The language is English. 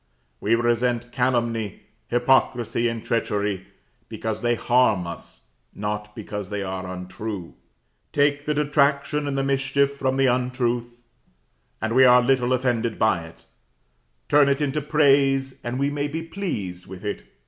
We resent calumny, hypocrisy and treachery, because they harm us, not because they are untrue. Take the detraction and the mischief from the untruth, and we are little offended by it; turn it into praise, and we may be pleased with it.